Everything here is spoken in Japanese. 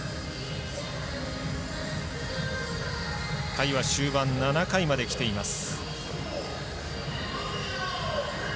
回は終盤７回まできています。